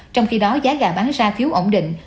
trong khi đó giá gà bán ra phiếu ổn định